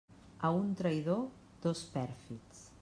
A un traïdor, dos pèrfids.